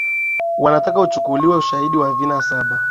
wanataka uchukuliwe ushaidi wa vina saba